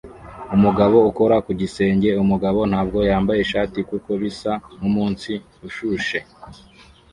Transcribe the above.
Umugabo ukora ku gisenge umugabo ntabwo yambaye ishati kuko bisa nkumunsi ushushe